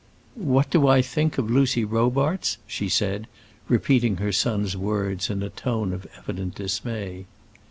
"What do I think of Lucy Robarts?" she said, repeating her son's words in a tone of evident dismay.